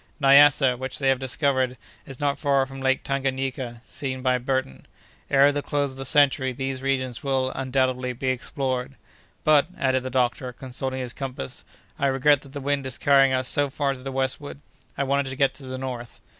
Nyassa, which they have discovered, is not far from Lake Tanganayika, seen by Burton. Ere the close of the century these regions will, undoubtedly, be explored. But," added the doctor, consulting his compass, "I regret that the wind is carrying us so far to the westward. I wanted to get to the north."